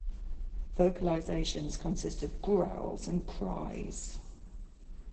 Vocalizations consist of growls and cries.